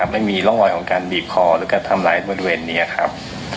ไม่มีร่องรอยของการบีบคอหรือการทำร้ายบริเวณนี้ครับ